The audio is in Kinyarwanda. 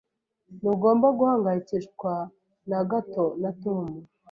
Ntugomba guhangayikishwa na gato na Tom.